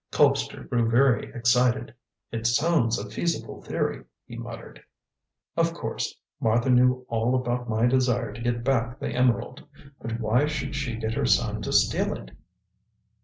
Colpster grew very excited. "It sounds a feasible theory," he muttered. "Of course, Martha knew all about my desire to get back the emerald. But why should she get her son to steal it?